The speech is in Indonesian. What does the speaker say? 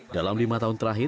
dalam lima tahun terakhir